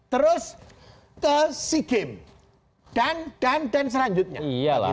terus ke sea games dan selanjutnya